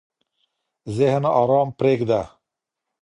ذهن ارام پرېږده.